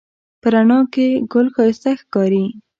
په رڼا کې ګل ښایسته ښکاري